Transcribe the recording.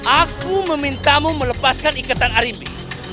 aku memintamu melepaskan ikatan arimbi